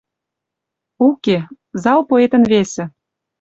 Уке, зал поэтӹн весӹ —